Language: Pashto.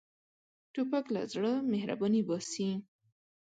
توپک له زړه مهرباني باسي.